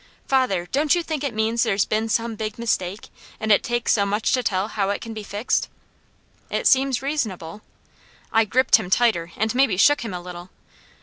"Father don't you think it means there's been some big mistake, and it takes so much to tell how it can be fixed?" "It seems reasonable." I gripped him tighter, and maybe shook him a little.